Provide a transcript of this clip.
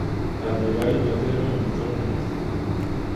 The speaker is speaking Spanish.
Al llegar a Inglaterra le mostraron el artículo.